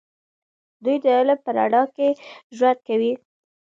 دوی د علم په رڼا کې ژوند کوي.